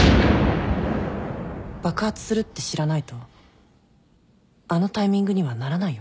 爆発するって知らないとあのタイミングにはならないよね？